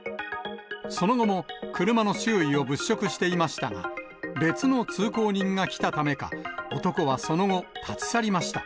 その後も車の周囲を物色していましたが、別の通行人が来たためか、男はその後、立ち去りました。